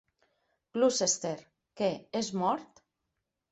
"Gloucester": Què, és mort?